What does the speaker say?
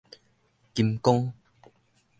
金剛